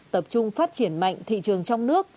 tập trung phát triển mạnh thị trường trong nước